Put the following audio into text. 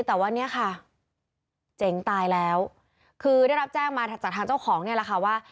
แต่ว่าเนี่ยค่ะเจ๋งตายแล้วคือได้รับแจ้งมาจากทางเจ้าของเนี่ยแหละค่ะว่า